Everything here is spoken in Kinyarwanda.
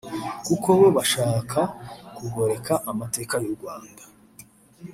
kuko bo bashakaga kugoreka amateka y’u rwanda